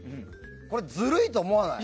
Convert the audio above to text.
これはずるいと思わない？